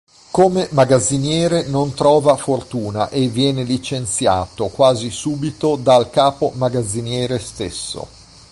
Come magazziniere non trova fortuna e viene licenziato quasi subito dal capo magazziniere stesso.